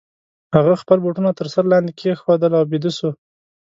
هغه خپل بوټونه تر سر لاندي کښېښودل او بیده سو.